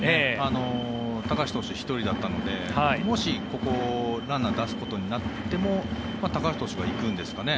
高橋投手１人だったのでもしここランナー出すことになっても高橋投手が行くんですかね。